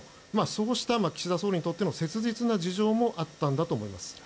そうした岸田総理にとっての切実な事情もあったんだと思います。